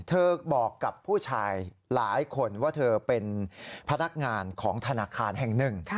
เธอบอกกับผู้ชายหลายคนว่าเธอเป็นพนักงานของธนาคารแห่งหนึ่ง